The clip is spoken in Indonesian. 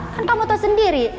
kan kamu tau sendiri